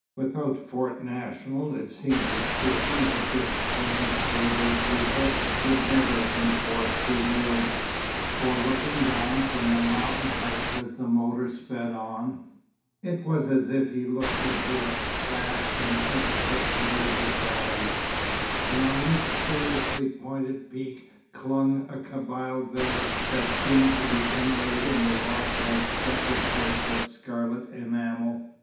Without Fort National, it seemed to Stephen that this strange Berber people would never have been forced to yield; for looking down from mountain heights as the motor sped on, it was as if he looked into a vast and intricate maze of valleys, and on each curiously pointed peak clung a Kabyle village that seemed to be inlaid in the rock like separate bits of scarlet enamel.